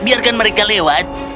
biarkan mereka lewat